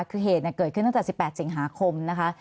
คือเหตุเกิดขึ้นตั้งแต่๑๘สิงหาคมนะคะ